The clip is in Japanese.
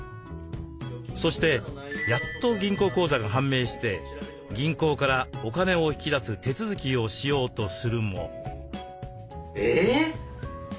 そしてやっと銀行口座が判明して銀行からお金を引き出す手続きをしようとするも。